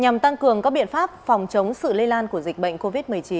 nhằm tăng cường các biện pháp phòng chống sự lây lan của dịch bệnh covid một mươi chín